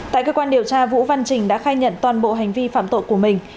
tại cơ quan điều tra vũ văn trình đã khai nhận toàn bộ hành vi phạm tội của mình